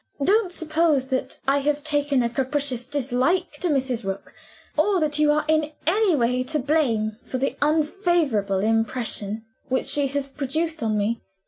Don't suppose that I have taken a capricious dislike to Mrs. Rook or that you are in any way to blame for the unfavorable impression which she has produced on me.